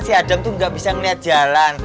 si adam tuh gak bisa ngeliat jalan